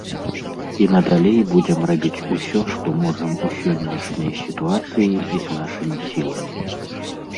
І надалей будзем рабіць усё, што можам у сённяшняй сітуацыі і з нашымі сіламі.